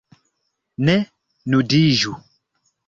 Ne nudiĝu.